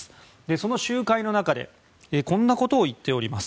その集会の中でこんなことを言っております。